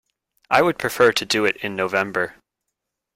I would prefer to do it in November.